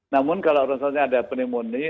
namun kalau misalnya ada pneumonia